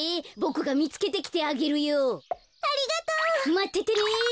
まっててね。